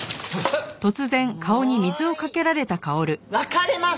別れます！